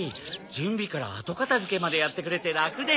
準備から後片付けまでやってくれてラクですから。